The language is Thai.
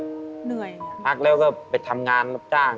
เหนื่อยพักแล้วก็ไปทำงานรับจ้าง